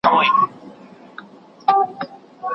آیا ارمان کاکا لا هم کار کولی شي؟